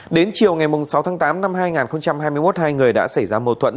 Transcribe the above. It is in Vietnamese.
đến chiều ngày sáu tháng tám năm hai nghìn hai mươi một hai người đã xảy ra mâu thuẫn